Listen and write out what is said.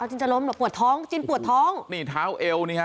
จินจะล้มเหรอปวดท้องจินปวดท้องนี่เท้าเอวนี่ฮะ